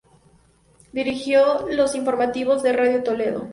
Dirigió los informativos de Radio Toledo.